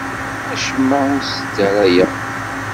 Acemma ur t-sdarayeɣ.